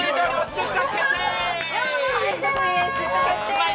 出荷決定！